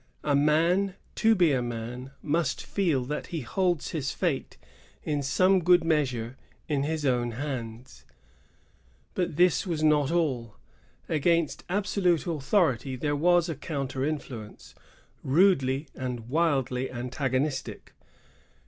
A man, to be a man, must feel that he holds his fate, in some good measure, in his own hands. But this was not all. Against absolute authority there was a counter influence, rudely and wildly antagonistic.